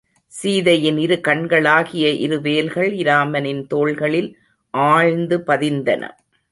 சீதையின் இரு கண்களாகிய இரு வேல்கள் இராமனின் தோள்களில் ஆழ்ந்து பதிந்தன.